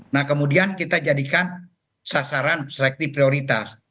nah kemudian kita jadikan sasaran selektif prioritas